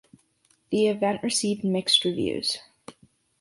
The event received mixed reviews.